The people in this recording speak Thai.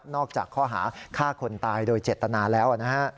นอกจากข้อหาฆ่าคนตายโดยเจ็ดตนาแล้ว